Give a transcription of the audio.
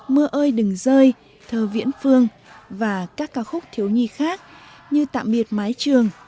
mưa ơi đừng rơi thơ viễn phương và các ca khúc thiếu nhi khác như tạm biệt mái trường